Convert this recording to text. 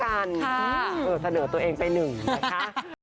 เสนอตัวเองไปหนึ่งนะคะ